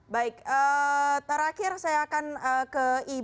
baik terakhir saya akan ke ibu